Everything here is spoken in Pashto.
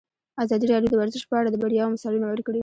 ازادي راډیو د ورزش په اړه د بریاوو مثالونه ورکړي.